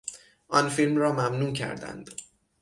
آن فیلم را ممنوع کردند.